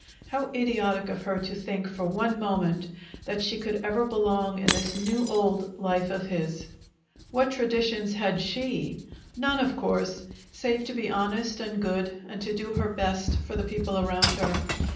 How idiotic of her to think, for one moment, that she could ever belong in this new old life of his! What traditions had she? None, of course, save to be honest and good and to do her best for the people around her.